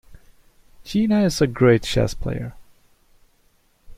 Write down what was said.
Gina is a great chess player.